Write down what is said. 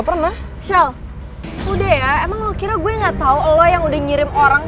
perumah sakit jiwa